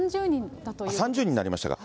３０人になりましたか。